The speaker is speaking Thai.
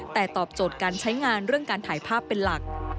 แต่ตอบโจทย์การใช้งานเรื่องการถ่ายภาพเป็นหลัก